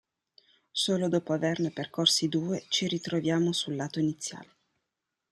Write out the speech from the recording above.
Solo dopo averne percorsi due ci ritroviamo sul lato iniziale.